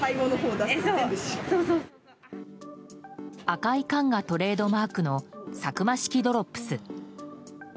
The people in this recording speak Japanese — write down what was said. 赤い缶がトレードマークのサクマ式ドロップス。